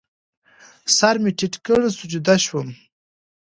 سر مې ټیټ کړ، سجده شوم